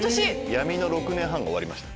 闇の６年半が終わりました。